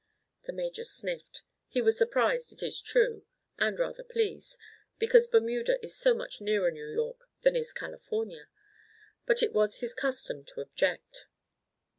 The major sniffed. He was surprised, it is true, and rather pleased, because Bermuda is so much nearer New York than is California; but it was his custom to object.